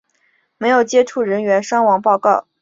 没有接到人员伤亡报告。